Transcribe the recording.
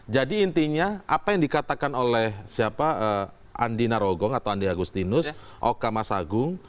jadi intinya apa yang dikatakan oleh andi narogong atau andi agustinus okamasagung